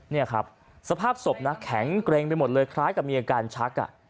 นี่ครับสภาพศพนะแข็งเกร็งไปหมดเลยคล้ายกับมีอาการชัก